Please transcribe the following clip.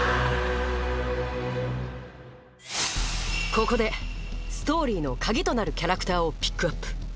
ここでストーリーの鍵となるキャラクターをピックアップ！